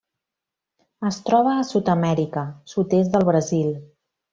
Es troba a Sud-amèrica: sud-est del Brasil.